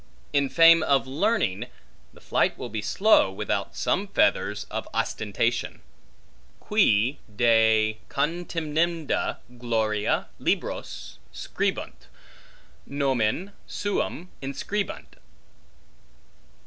In fame of learning, the flight will be slow without some feathers of ostentation. Qui de contemnenda gloria libros scribunt, nomen, suum inscribunt.